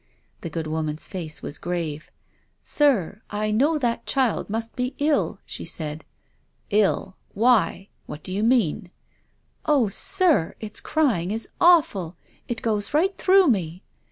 The good woman's face was grave. " Sir, I know that child must be ill," she said. " 111 — why ? What do you mean ?"" Oh, sir, its crying is awful. It goes right through mc."